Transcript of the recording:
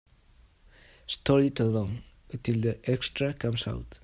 Stall it along until the extra comes out.